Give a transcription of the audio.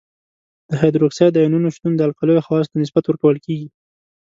د هایدروکساید د آیونونو شتون د القلیو خواصو ته نسبت ورکول کیږي.